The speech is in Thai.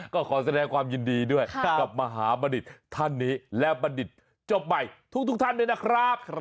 ก็ขอแสดงความยินดีด้วยกับมหาบัณฑิตท่านนี้และบัณฑิตจบใหม่ทุกท่านด้วยนะครับ